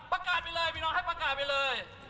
ประกาศไปเลยพี่น้องให้ประกาศไปเลย